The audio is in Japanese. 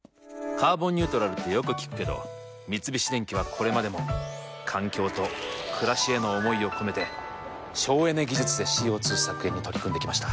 「カーボンニュートラル」ってよく聞くけど三菱電機はこれまでも環境と暮らしへの思いを込めて省エネ技術でＣＯ２削減に取り組んできました。